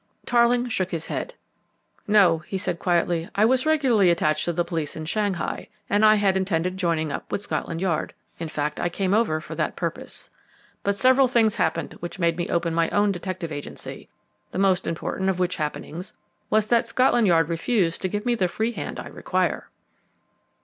Tarling shook his head. "No," he said quietly. "I was regularly attached to the police in Shanghai, and I had intended joining up with Scotland Yard; in fact, I came over for that purpose. But several things happened which made me open my own detective agency, the most important of which happenings, was that Scotland Yard refused to give me the free hand I require!"